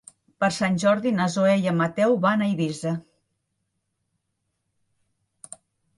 Per Sant Jordi na Zoè i en Mateu van a Eivissa.